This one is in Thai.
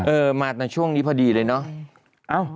เออมาแต่ช่วงนี้พอดีเลยเนอะ